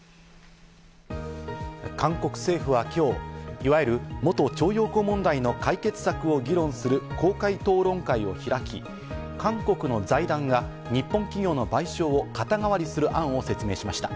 韓国政府は今日、いわゆる元徴用工問題の解決策を議論する公開討論会を開き、韓国の財団が日本企業の賠償を肩代わりする案を説明しました。